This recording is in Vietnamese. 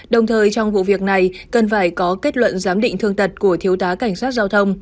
đồng thời trong vụ việc này cần phải có kết luận giám định thương tật của thiếu tá cảnh sát giao thông